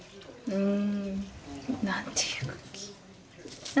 うん。